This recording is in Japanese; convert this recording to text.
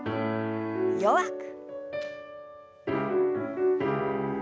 弱く。